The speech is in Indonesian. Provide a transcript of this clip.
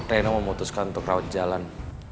reno memutuskan untuk rawat jalan